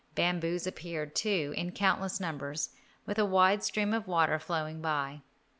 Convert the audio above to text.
Bamboos appeared, too, in countless numbers, with a wide stream of water flowing by.